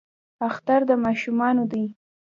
اختر د ماشومانو دی